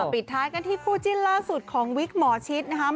ปิดท้ายกันที่คู่จิ้นล่าสุดของวิกหมอชิดนะครับ